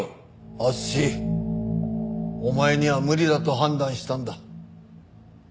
敦お前には無理だと判断したんだ。